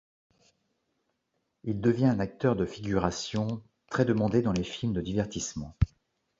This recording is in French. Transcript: Il devient un acteur de figuration très demandé dans les films de divertissement.